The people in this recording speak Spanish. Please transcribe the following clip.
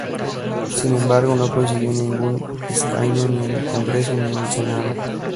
Sin embargo, no consiguió ningún escaño ni en el Congreso ni en el Senado.